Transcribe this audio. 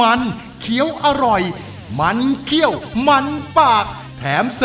โอ้ยหิวแทน